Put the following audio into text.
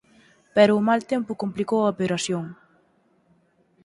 Pero o mal tempo complicou a operación.